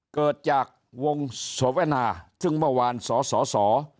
เกิดจากวงศวนาที่ถึงเมื่อว้าวนสสส